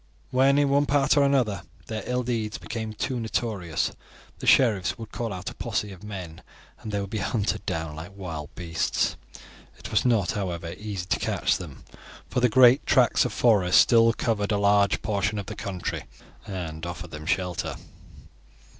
When in one part or another their ill deeds became too notorious, the sheriffs would call out a posse of men and they would be hunted down like wild beasts. It was not, however, easy to catch them, for great tracts of forests still covered a large portion of the country and afforded them shelter.